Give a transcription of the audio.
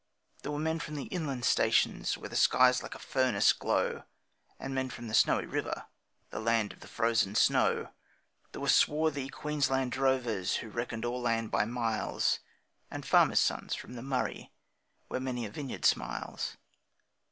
There were men from the inland stations where the skies like a furnace glow, And men from the Snowy River, the land of the frozen snow; There were swarthy Queensland drovers who reckoned all land by miles, And farmers' sons from the Murray, where many a vineyard smiles.